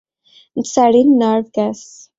Siren nerve gas.